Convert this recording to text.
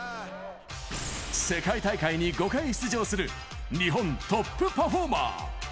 世界大会に５回出場する日本トップパフォーマー。